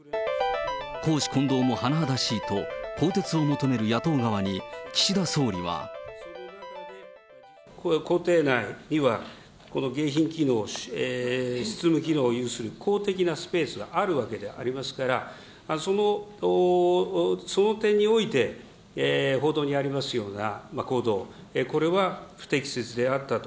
公私混同も甚だしいと、更迭を求める野党側に、岸田総理は。公邸内には迎賓機能、執務機能を有する公的なスペースがあるわけでありますから、その点において、報道にありますような行動、これは不適切であったと。